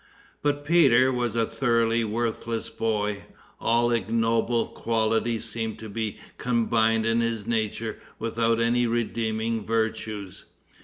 But Peter was a thoroughly worthless boy. All ignoble qualities seemed to be combined in his nature without any redeeming virtues.